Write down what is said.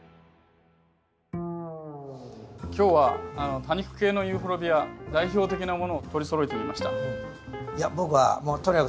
今日は多肉系のユーフォルビア代表的なものを取りそろえてみました。